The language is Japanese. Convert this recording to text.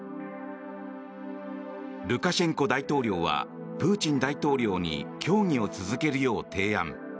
ルカシェンコ大統領はプーチン大統領に協議を続けるよう提案。